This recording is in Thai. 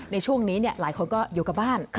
ในช่วงนี้หลายคนก็อยู่กับบ้าน